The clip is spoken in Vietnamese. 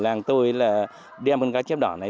làng tôi là đem con cá chép đỏ này